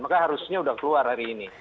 maka harusnya sudah keluar hari ini